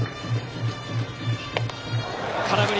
空振り。